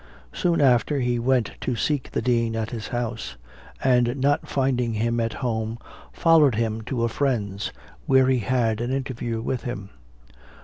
Soon after he went to seek the Dean at his house; and not finding him at home, followed him to a friend's, where he had an interview with him.